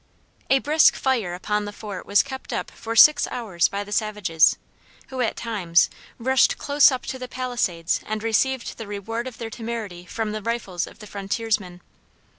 A brisk fire upon the fort was kept up for six hours by the savages, who at times rushed close up to the palisades and received the reward of their temerity from the rifles of the frontiersmen.